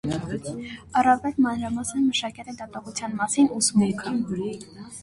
Առավել մանարամասն մշակել է դատողության մասին ուսմունքը։